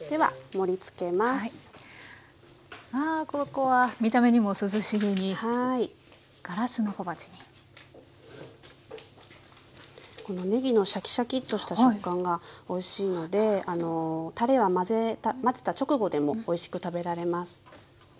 このねぎのシャキシャキッとした食感がおいしいのでたれは混ぜた直後でもおいしく食べられます。